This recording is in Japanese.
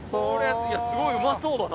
すごいうまそうだな。